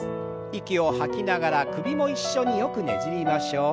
息を吐きながら首も一緒によくねじりましょう。